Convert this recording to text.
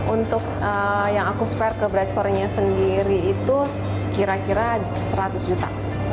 untuk yang aku spare ke bright story nya sendiri itu kira kira seratus juta